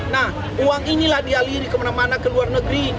nah uang inilah dialiri kemana mana ke luar negeri